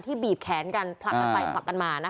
ที่บีบแขนกันผลักกันไปผลักกันมานะคะ